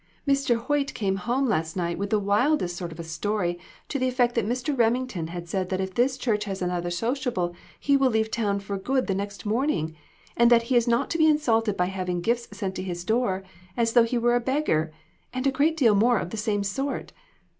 Mr. Hoyt came home last night with DON'T REPEAT IT. 161 the wildest sort of a story, to the effect that Mr. Remington had said that if this church has another sociable he will leave town for good the next morning; and that he is not to be insulted by having gifts sent to his door, as though he were a beggar, and a great deal more of the same sort.